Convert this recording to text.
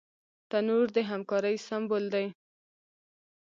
تنور د همکارۍ سمبول دی